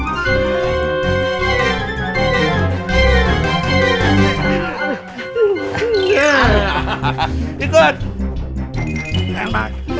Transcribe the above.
pak rijal siapa yang mau merantem